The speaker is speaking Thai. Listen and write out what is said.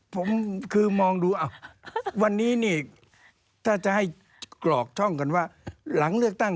ผมคือมองดูอ้าววันนี้นี่ถ้าจะให้กรอกช่องกันว่าหลังเลือกตั้ง